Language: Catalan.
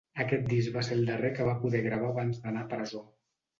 Aquest disc va ser el darrer que va poder gravar abans d'anar a presó.